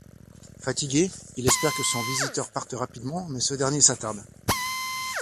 Fatigué, il espère que son visiteur parte rapidement, mais ce dernier s'attarde.